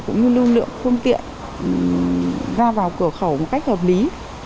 cũng như lưu lượng phương tiện ra vào cửa khẩu một cách hợp lý